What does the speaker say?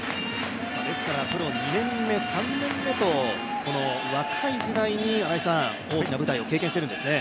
ですからプロ２年目、３年目と若い時代に大きな舞台を経験しているんですね。